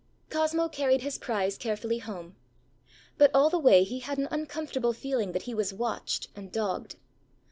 ã Cosmo carried his prize carefully home. But all the way he had an uncomfortable feeling that he was watched and dogged.